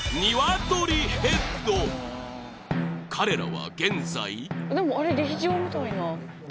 彼らは現在？